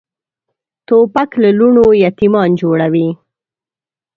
توپک له لوڼو یتیمان جوړوي.